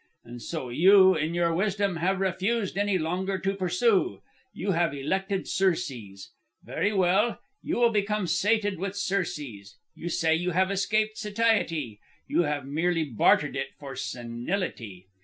And so you, in your wisdom, have refused any longer to pursue. You have elected surcease. Very well. You will become sated with surcease. You say you have escaped satiety! You have merely bartered it for senility.